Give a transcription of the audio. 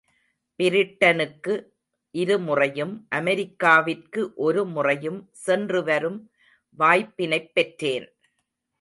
பிரிட்டனுக்கு இரு முறையும், அமெரிக்காவிற்கு ஒரு முறையும் சென்று வரும் வாய்ப்பினைப் பெற்றேன்.